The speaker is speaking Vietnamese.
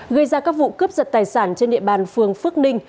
gây ra các vụ cướp giật tài sản trên địa bàn phường phước ninh